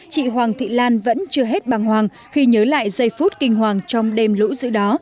chị hoàng thị lan vẫn chưa hết bằng hoàng khi nhớ lại giây phút kinh hoàng trong đêm lũ giữ đó